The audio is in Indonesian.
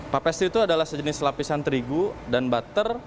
puff pastry itu adalah sejenis lapisan terigu dan butter